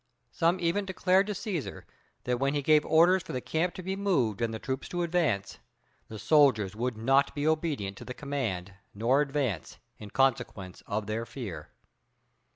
Some even declared to Cæsar that when he gave orders for the camp to be moved and the troops to advance, the soldiers would not be obedient to the command nor advance, in consequence of their fear.